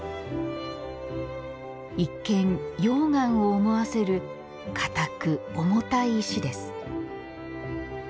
一見、溶岩を思わせる硬く重たい石です。